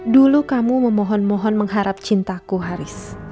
dulu kamu memohon mohon mengharap cintaku haris